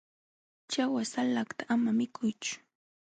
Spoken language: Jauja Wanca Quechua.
ćhawa salakta ama mikuychu.